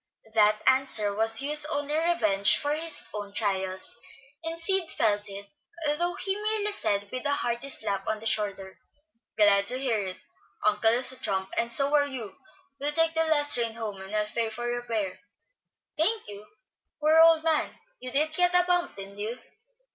That answer was Hugh's only revenge for his own trials, and Sid felt it, though he merely said, with a hearty slap on the shoulder, "Glad to hear it. Uncle is a trump, and so are you. We'll take the last train home, and I'll pay your fare." "Thank you. Poor old man, you did get a bump, didn't you?"